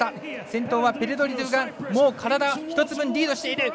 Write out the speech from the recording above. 先頭はペレンドリトゥがもう体１つ分リードしている。